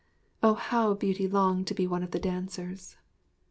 Oh, how Beauty longed to be one of the dancers!